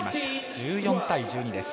１４対１２です。